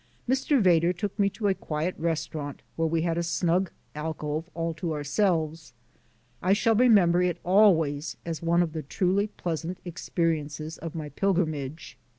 Mr. Vedder took me to a quiet restaurant where we had a snug alcove all to ourselves. I shall remember it always as one of the truly pleasant experiences of my pilgrimage.